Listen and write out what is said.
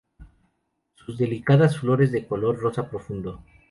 Sus delicadas flores de color rosa profundo.